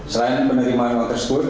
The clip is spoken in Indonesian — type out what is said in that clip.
selain penerimaan uang tersebut